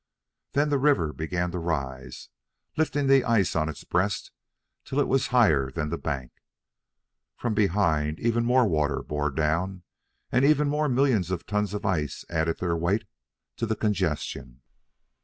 Then the river began to rise, lifting the ice on its breast till it was higher than the bank. From behind ever more water bore down, and ever more millions of tons of ice added their weight to the congestion.